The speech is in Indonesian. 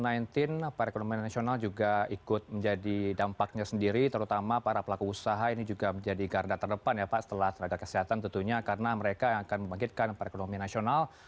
pak roslan para ekonomi nasional juga ikut menjadi dampaknya sendiri terutama para pelaku usaha ini juga menjadi garda terdepan ya pak setelah tenaga kesehatan tentunya karena mereka yang akan membangkitkan para ekonomi nasional